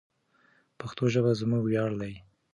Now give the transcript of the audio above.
پښتو ژبه زموږ ویاړ دی.